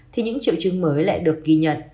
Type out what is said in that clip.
thì những triệu chứng mới lại được ghi nhận